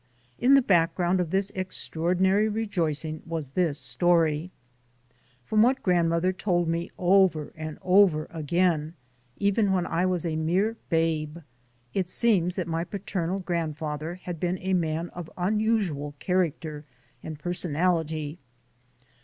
In the background of this extraordinary rejoicing was this story. From what grandmother told me over and over again even when I was a mere babe, it seems that my paternal grandfather had been a man of unusual character and personality.